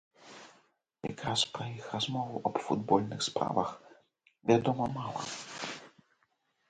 Якраз пра іх размову аб футбольных справах вядома мала.